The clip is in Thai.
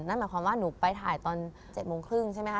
นั่นหมายความว่าหนูไปถ่ายตอน๗โมงครึ่งใช่ไหมค